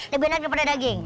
lebih enak daripada daging